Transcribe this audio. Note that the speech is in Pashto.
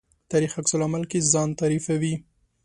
تاریخ عکس العمل کې ځان تعریفوي.